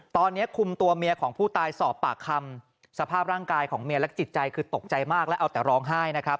ตอนนี้คุมตัวเมียของผู้ตายสอบปากคำสภาพร่างกายของเมียและจิตใจคือตกใจมากแล้วเอาแต่ร้องไห้นะครับ